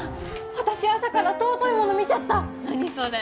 私朝から尊いもの見ちゃった何それ？